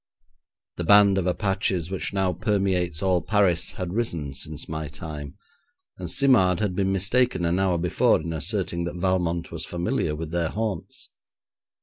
The band of Apaches which now permeates all Paris has risen since my time, and Simard had been mistaken an hour before in asserting that Valmont was familiar with their haunts.